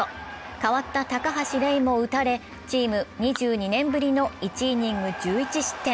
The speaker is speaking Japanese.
代わった高橋礼も打たれ、チーム２２年ぶりの１イニング１１失点。